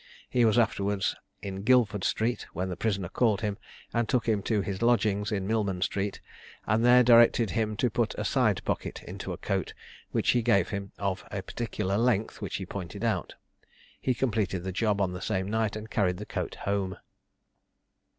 He was afterwards in Guildford Street, when the prisoner called him, and took him to his lodgings in Millman Street, and there directed him to put a side pocket into a coat, which he gave him, of a particular length which he pointed out. He completed the job on the same night, and carried the coat home.